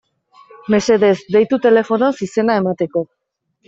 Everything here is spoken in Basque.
Mesedez, deitu telefonoz izena emateko.